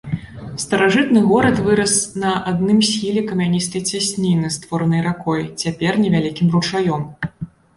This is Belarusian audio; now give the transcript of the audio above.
Старажытны горад вырас на адным схіле камяністай цясніны, створанай ракой, цяпер невялікім ручаём.